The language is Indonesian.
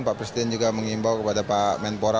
pak presiden juga mengimbau kepada pak menpora